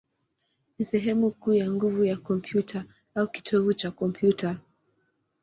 ni sehemu kuu ya nguvu ya kompyuta, au kitovu cha kompyuta.